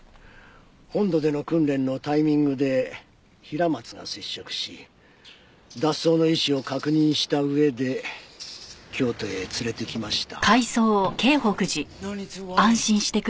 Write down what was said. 本土での訓練のタイミングで平松が接触し脱走の意思を確認した上で京都へ連れてきました。